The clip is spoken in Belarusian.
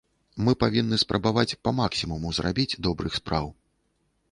Мы павінны спрабаваць па-максімуму зрабіць добрых спраў.